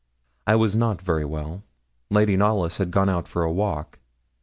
I was not very well. Lady Knollys had gone out for a walk.